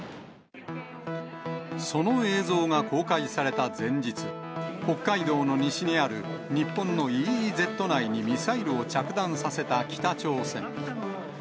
その映像が公開された前日、北海道の西にある日本のＥＥＺ内にミサイルを着弾させた北朝鮮。